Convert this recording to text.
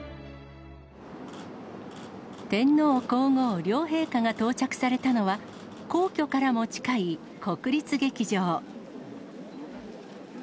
天皇皇后両陛下が到着されたのは、皇居からも近い国立劇場。